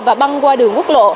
và băng qua đường quốc lộ